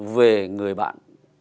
về người bạn